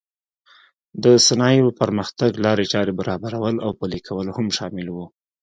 د صنایعو پرمختګ لارې چارې برابرول او پلې کول هم شامل و.